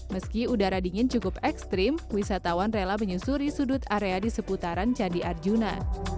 meski udara dingin cukup ekstrim wisatawan rela menyusuri sudut area di seputaran candi arjuna